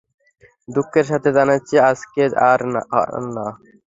দুঃখের সাথে জানাচ্ছি, আজকে আর না।